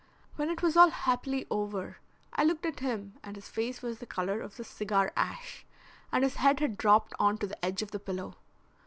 When it was all happily over, I looked at him and his face was the colour of this cigar ash, and his head had dropped on to the edge of the pillow.